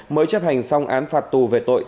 mới chấp hành xong án phạt tù về tội